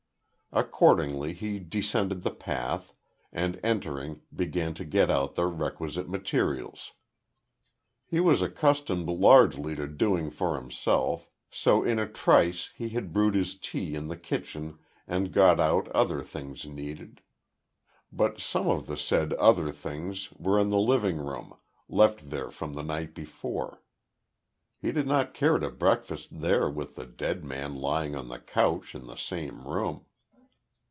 Accordingly he descended the path, and entering began to get out the requisite materials. He was accustomed largely to doing for himself, so in a trice he had brewed his tea in the kitchen and got out other things needed. But some of the said other things were in the living room, left there from the night before. He did not care to breakfast there with the dead man lying on the couch in the same room.